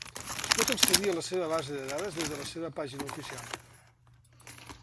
Es pot accedir a la seva base de dades des de la seva pàgina oficial.